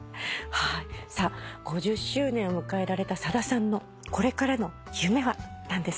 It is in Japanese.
さあ５０周年を迎えられたさださんのこれからの夢は何ですか？